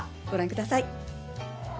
ご覧ください。